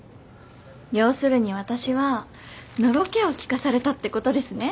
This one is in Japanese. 要するに私はのろけを聞かされたってことですね。